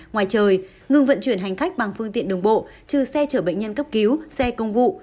ngoài trời ngừng vận chuyển hành khách bằng phương tiện đường bộ trừ xe chở bệnh nhân cấp cứu xe công vụ